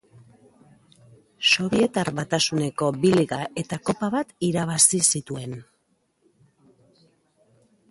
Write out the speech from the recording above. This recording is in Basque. Sobietar Batasuneko bi liga eta kopa bat irabazi zituen.